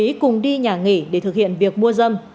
ý cùng đi nhà nghỉ để thực hiện việc mua dâm